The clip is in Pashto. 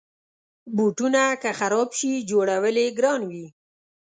بوټونه که خراب شي، جوړول یې ګرانه وي.